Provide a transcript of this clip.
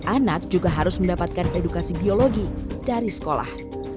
anak juga harus mendapatkan edukasi biologi dari sekolah